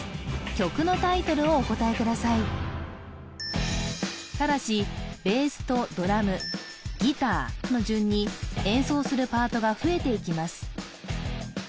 曲のタイトルをお答えくださいただしベースとドラムギターの順に演奏するパートが増えていきます